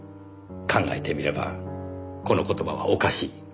考えてみればこの言葉はおかしい。